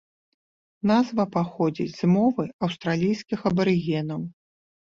Назва паходзіць з мовы аўстралійскіх абарыгенаў.